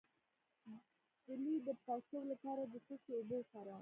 د لۍ د پړسوب لپاره د څه شي اوبه وکاروم؟